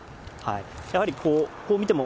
やはりこう見ても、